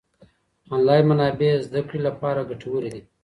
انلاين منابع زده کړې لپاره ګټورې دي.